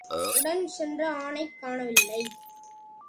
உடன் சென்ற ஆணைக் காணவில்லை.